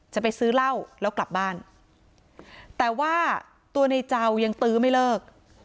จะไปซื้อเหล้าแล้วกลับบ้านแต่ว่าตัวในเจ้ายังตื้อไม่เลิก